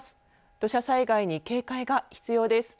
土砂災害に警戒が必要です。